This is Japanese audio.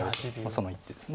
その一手です。